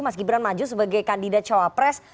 mas gibran maju sebagai kandidat cowa press